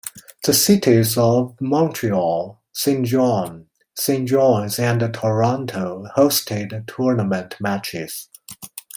The cities of Montreal, Saint John, Saint John's, and Toronto hosted tournament matches.